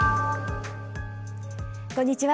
こんにちは。